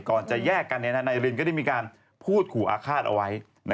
ก่อนจะแยกกันนายรินก็ได้มีการพูดขู่อาฆาตเอาไว้